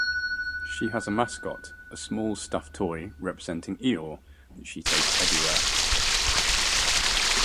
She has a mascot, a small stuffed toy representing Eeyore, that she takes everywhere.